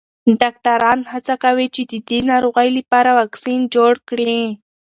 ډاکټران هڅه کوي چې د دې ناروغۍ لپاره واکسین جوړ کړي.